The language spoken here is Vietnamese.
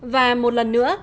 và một lần nữa